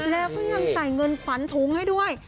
แล้วก็ยังใส่เงินขวัญถุงให้ด้วย